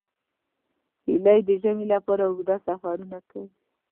هیلۍ د ژمي لپاره اوږده سفرونه کوي